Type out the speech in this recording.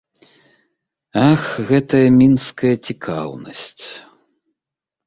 Ах, гэтая мінская цікаўнасць!